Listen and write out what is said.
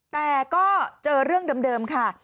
แต่ก็เจอเรื่องเดิมค่ะ